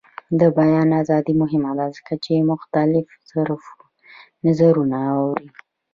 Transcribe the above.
د بیان ازادي مهمه ده ځکه چې مختلف نظرونه اوري.